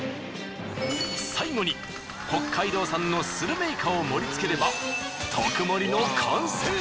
最後に北海道産のスルメイカを盛りつければ得盛の完成！